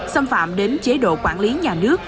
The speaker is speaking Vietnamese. xâm phạm đến chế độ quản lý nhà nước